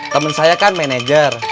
temen saya kan manajer